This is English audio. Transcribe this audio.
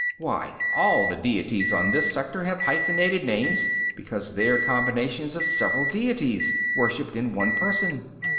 Why, all the deities on this sector have hyphenated names, because they're combinations of several deities, worshiped in one person.